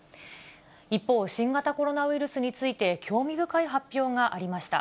一方、新型コロナウイルスについて興味深い発表がありました。